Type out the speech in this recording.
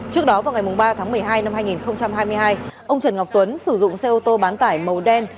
trước đó vào ngày ba tháng một mươi hai năm hai nghìn hai mươi hai ông trần ngọc tuấn sử dụng xe ô tô bán tải màu đen